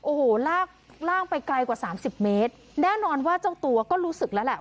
โอ้โหลากร่างไปไกลกว่าสามสิบเมตรแน่นอนว่าเจ้าตัวก็รู้สึกแล้วแหละ